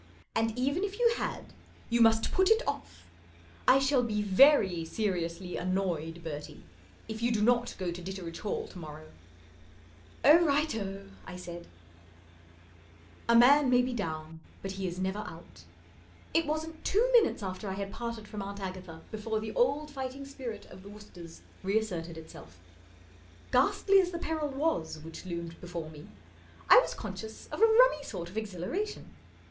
And, even if you had f you must put it off, I shall l>e very seriously annoyed, Bertie, if you do not go to Ditteredge Hall to morrow," " Oh, right o ! ,p I said, tOOC Vol Exiii. 11, A MAN may be down, but he is never out, It wasn't two minutes after I had parted from Aunt Agatha before the old fight¬ ing spirit of the Woosters reasserted itself. Ghastly as the peril was which loomed before me, I was conscious of a rummy sort of exhilaration.